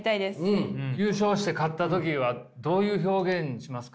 優勝して勝った時はどういう表現しますか？